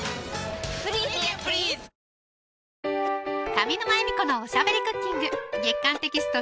上沼恵美子のおしゃべりクッキング月刊テキスト